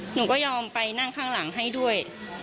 หนูก็ยอมไปนั่งข้างหลังให้ด้วย